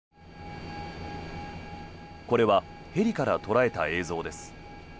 これはヘリから捉えた映像です。